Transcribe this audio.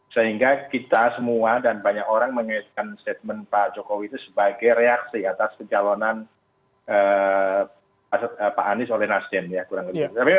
sehingga kita semua dan banyak orang mengingatkan statement pak jokowi itu sebagai reaksi atas pencalonan pak anies oleh nasdem ya kurang lebih